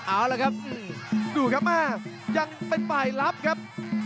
อ้าวเลยครับดูครับมายังเป็นป่ายรับครับ